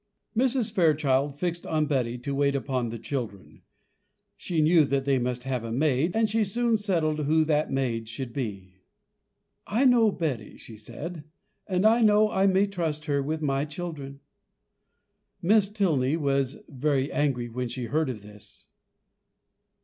Mrs. Fairchild fixed on Betty to wait upon the children; she knew that they must have a maid, and she soon settled who that maid should be. "I know Betty," she said; "and I know I may trust her with my children." Miss Tilney was very angry when she heard of this.